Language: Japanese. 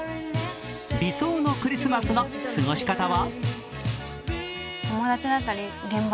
理想のクリスマスの過ごし方は？